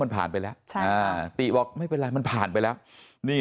มันผ่านไปแล้วใช่อ่าติบอกไม่เป็นไรมันผ่านไปแล้วนี่